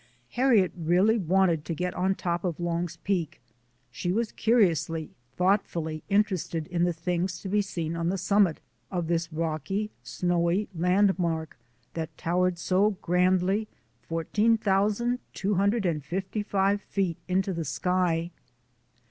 Harriet really wanted to get on top of Long's Peak; she was curiously, thoughtfully interested in the things to be seen on the summit of this rocky, snowy landmark that towered so grandly 14,255 feet into the sky.